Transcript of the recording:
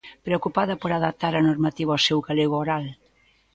Preocupada por adaptar á normativa o seu galego oral.